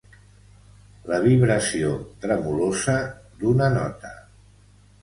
La vibració tremolosa d'una nota.